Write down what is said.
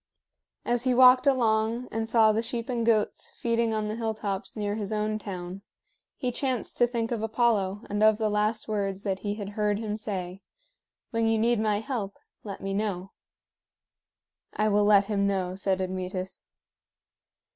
As he walked along and saw the sheep and goats feeding on the hilltops near his own town, he chanced to think of Apollo and of the last words that he had heard him say: "When you need my help, let me know." "I will let him know," said Admetus.